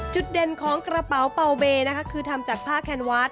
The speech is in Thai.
จุดเด่นของกระเป๋าเปล่าเบนะคะคือทำจากผ้าแคนวาส